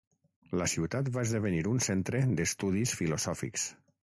La ciutat va esdevenir un centre d'estudis filosòfics.